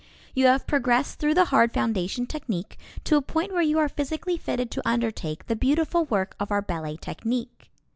You have progressed through the hard foundation technique to a point where you are physically fitted to undertake the beautiful work of our ballet technique.